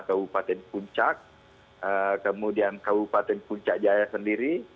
kabupaten puncak kemudian kabupaten puncak jaya sendiri